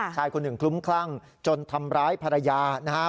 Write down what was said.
ชายคนหนึ่งคลุ้มคลั่งจนทำร้ายภรรยานะครับ